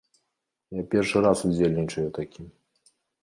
Я першы раз удзельнічаю ў такім.